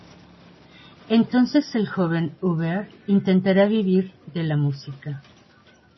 Entonces el joven Auber intentará vivir de la música.